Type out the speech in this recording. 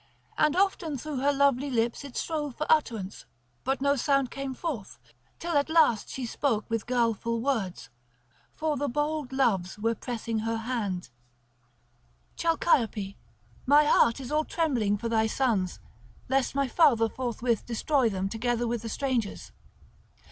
And often through her lovely lips it strove for utterance; but no sound came forth; till at last she spoke with guileful words; for the bold Loves were pressing her hard: "Chalciope, my heart is all trembling for thy sons, lest my father forthwith destroy them together with the strangers.